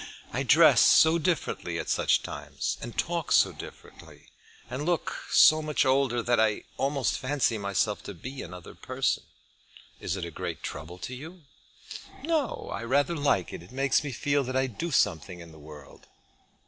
I dress so differently at such times, and talk so differently, and look so much older, that I almost fancy myself to be another person." "Is it a great trouble to you?" "No, I rather like it. It makes me feel that I do something in the world."